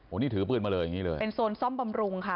นี่ถือปืนมาเลยอย่างนี้เลยเป็นโซนซ่อมบำรุงค่ะ